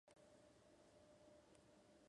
Reside en La Habana, Cuba.